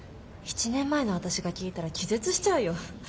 １年前の私が聞いたら気絶しちゃうよ。